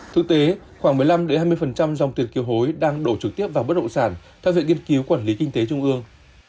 thực tế khoảng một mươi năm hai mươi dòng tiền kiều hối đang đổ trực tiếp vào bất động sản theo viện nghiên cứu quản lý kinh tế trung ương